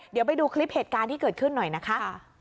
เดี๋ยวไปดูคลิปเหตุการณ์ที่เกิดขึ้นหน่อยนะคะ